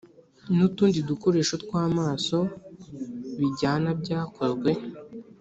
N utundi dukoresho tw amaso bijyana byakozwe